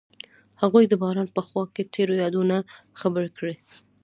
هغوی د باران په خوا کې تیرو یادونو خبرې کړې.